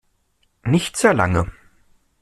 Nicht sehr lange.